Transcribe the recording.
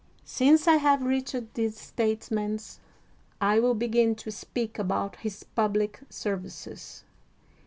Since I have reached these statements, I will begin to speak about his public services.